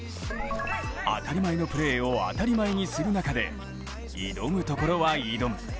当たり前のプレーを当たり前にする中で挑むところは挑む。